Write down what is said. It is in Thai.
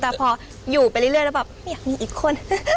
แต่พออยู่ไปเรื่อยแล้วแบบไม่อยากมีอีกคน